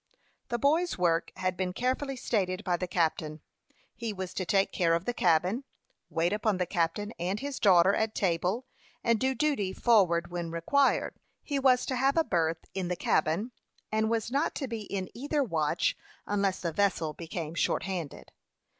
The boy's work had been carefully stated by the captain. He was to take care of the cabin, wait upon the captain and his daughter at table, and do duty forward when required. He was to have a berth in the cabin, and was not to be in either watch, unless the vessel became short handed.